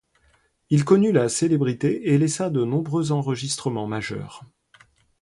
Il connut la célébrité et laissa de nombreux enregistrements majeurs.